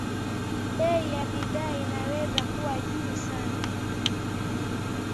bei ya bidhaa inaweza kuwa juu sana